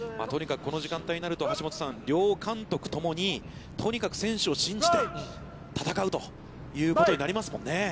とにかくこの時間帯になると、橋下さん、両監督ともに、とにかく選手を信じて戦うということになりますもんね。